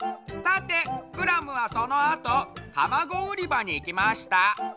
さてクラムはそのあとたまごうりばにいきました。